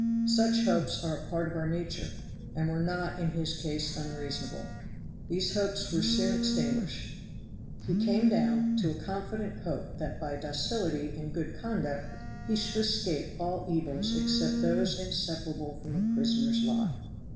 Such hopes are a part of our nature, and were not in his case unreasonable. These hopes were soon extinguished. He came down to a confident hope that by docility and good conduct he should escape all evils except those inseparable from a prisoner's lot.